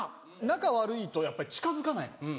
仲悪いとやっぱ近づかない。